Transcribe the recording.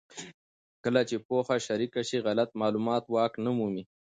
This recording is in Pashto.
کله چې پوهه شریکه شي، غلط معلومات واک نه مومي.